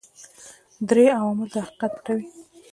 درې عوامل دا حقیقت پټوي.